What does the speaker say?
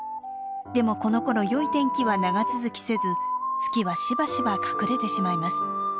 でもこのころよい天気は長続きせず月はしばしば隠れてしまいます。